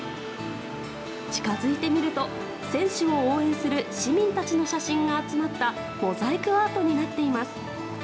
近づいてみると選手を応援する市民たちの写真が集まったモザイクアートになっています。